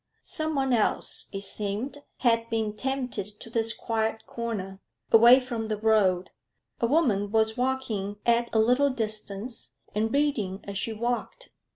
Someone else, it seemed, had been tempted to this quiet corner, away from the road; a woman was walking at a little distance, and reading as she walked.